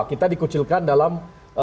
kita dikucilkan dalam